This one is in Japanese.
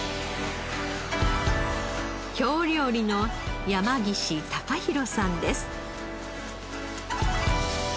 京料理の山岸隆博さんです。